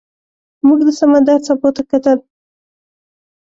موږ د سمندر څپو ته کتل.